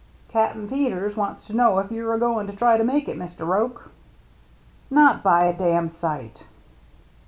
"Cap'n Peters wants to know if you're a goin' to try to make it, Mr. Roche." "Not by a dam' sight."